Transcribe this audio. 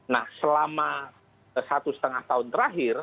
nah selama satu setengah tahun terakhir